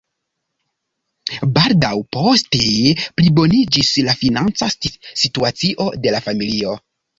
Baldaŭ poste pliboniĝis la financa situacio de la familio.